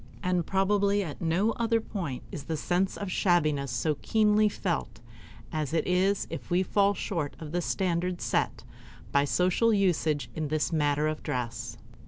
And probably at no other point is the sense of shabbiness so keenly felt as it is if we fall short of the standard set by social usage in this matter of dress.